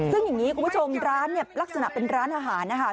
ซึ่งอย่างนี้คุณผู้ชมร้านลักษณะเป็นร้านอาหาร